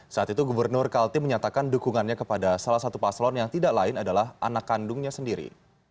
saat itu gubernur kaltim menyatakan dukungannya kepada salah satu paslon yang tidak lain adalah anak kandungnya sendiri